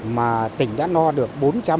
mà tỉnh đã no được